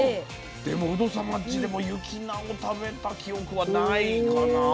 でもウド様んちでも雪菜を食べた記憶はないかな。